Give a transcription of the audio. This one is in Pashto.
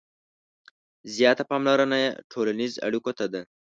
• زیاته پاملرنه یې ټولنیزو اړیکو ته ده.